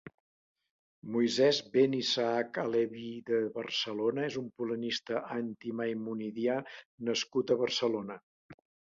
Moisès ben Isaac ha-Leví de Barcelona és un polemista anti-maimonidià nascut a Barcelona.